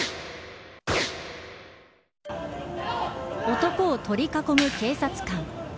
男を取り囲む警察官。